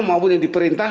maupun yang diperintah